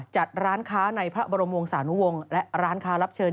จัดร้านค้าในพระบรมวงศานุวงศ์และร้านค้ารับเชิญ